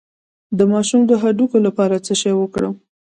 د ماشوم د هډوکو لپاره څه شی ورکړم؟